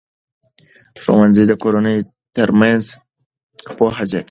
ښوونځي د کورنیو ترمنځ پوهه زیاتوي.